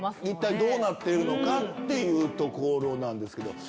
一体どうなっているのかっていうところなんですけど。